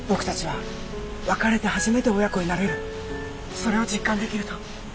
それを実感できると。